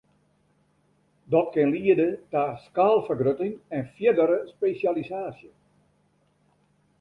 Dat kin liede ta skaalfergrutting en fierdere spesjalisaasje.